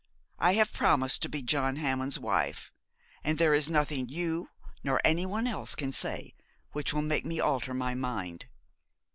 'I have promised to be John Hammond's wife, and there is nothing you nor anyone else can say which will make me alter my mind.